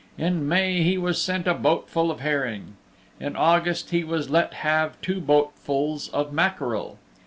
In May he was sent a boatful of herring. In August he was let have two boatfuls of mackerel.